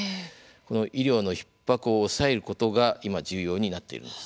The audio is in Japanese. この医療のひっ迫を抑えることが今、重要になっているんです。